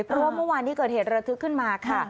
เพราะว่าเมื่อวานที่เกิดเหตุระทึกขึ้นมาค่ะ